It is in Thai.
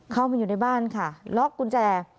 เข้ามาอยู่ในบ้านค่ะล็อกกุญแจ